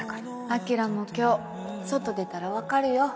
晶も今日外出たら分かるよ